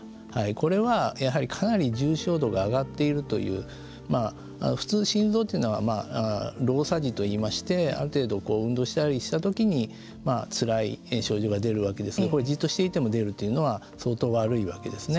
これはやはりかなり重症度が上がっているという普通心臓というのは労作時といいましてある程度、運動したりした時につらい症状が出るわけですけれどもじっとしていても出るというのは相当悪いわけですね。